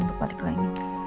untuk hari ke lain